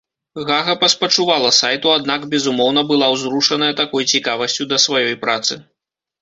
Гага паспачувала сайту, аднак, безумоўна, была ўзрушаная такой цікавасцю да сваёй працы.